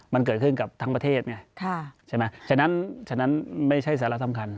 มันเกิดขึ้นกับทั้งประเทศไงใช่ไหมฉะนั้นฉะนั้นไม่ใช่สาระสำคัญ